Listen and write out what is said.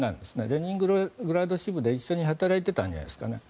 レニングラード支部で一緒に働いていたんじゃないですかね。